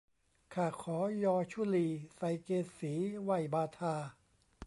ข้าขอยอชุลี ใส่เกศีไหว้บาทา